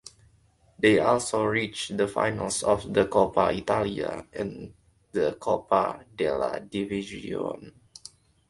They also reached the finals of the Coppa Italia and the Coppa della Divisione.